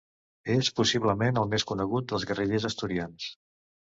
És possiblement el més conegut dels guerrillers asturians.